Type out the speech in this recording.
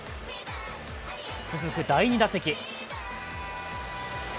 続く第２打席。